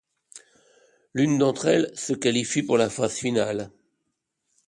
L'une d'entre elles se qualifie pour la phase finale.